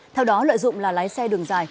theo đó lợi dụng là lái xe đường dài